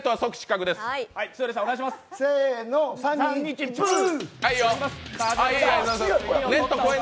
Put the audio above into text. せーの、３、２、１ブー！